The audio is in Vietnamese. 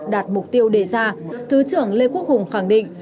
đạt mục tiêu đề ra thứ trưởng lê quốc hùng khẳng định